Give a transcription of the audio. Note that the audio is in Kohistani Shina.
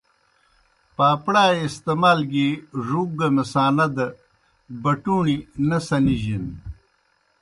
پاپڑائے استعمال گیْ ڙُوک گہ مثانہ دہ بݨُوݨی نہ سنِجنَ۔